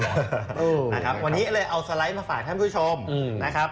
นะครับวันนี้เลยเอาสไลด์มาฝากท่านผู้ชมนะครับ